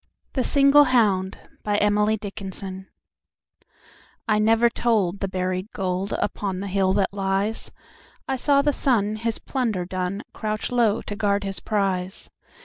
The Single Hound XLV I NEVER told the buried goldUpon the hill that lies,I saw the sun, his plunder done, Crouch low to guard his prize.